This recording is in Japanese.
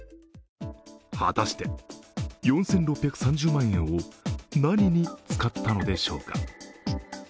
果たして、４６３０万円を何に使ったのでしょうか。